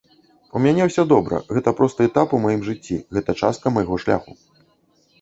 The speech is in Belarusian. У мяне ўсё добра, гэта проста этап у маім жыцці, гэта частка майго шляху.